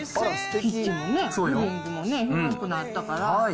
キッチンもリビングも広くなったから。